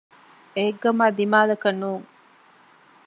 އެއްގަމާ ދިމާލަކަށް ނޫން